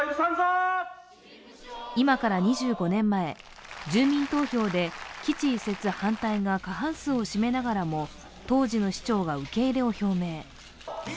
今から２５年前、住民投票で基地移設反対が過半数を占めながらも、当時の市長が受け入れを表明。